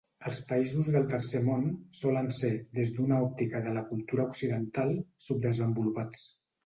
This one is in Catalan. Els països del tercer món, solen ser, des d'una òptica de la cultura occidental, subdesenvolupats.